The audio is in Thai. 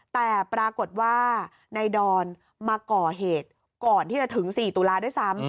แต่ปรากฏว่านายดอนมาก่อเหตุก่อนที่จะถึง๔ตุลาด้วยซ้ำ